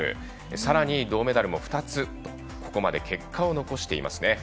さらに銅メダルも２つここまで結果を残していますね。